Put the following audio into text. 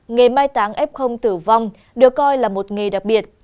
nghề mai táng f tử vong được coi là một nghề đặc biệt